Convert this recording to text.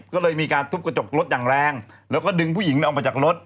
ก็เลยมีการทุบกระจกรถอย่างแรงแล้วก็ดึงผู้หญิงออกมาจากรถ